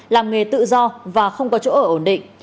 làm nghề tự do và không có chỗ ở ổn định